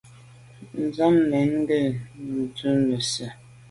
Sàm mèn ke’ ku’ nesian.